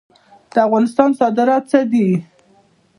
د افغانستان صادرات څه دي؟